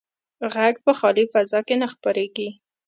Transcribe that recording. غږ په خالي فضا کې نه خپرېږي.